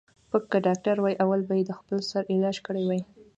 ـ پک که ډاکتر وای اول به یې د خپل سر علاج کړی وای.